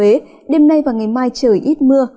huế đêm nay và ngày mai trời ít mưa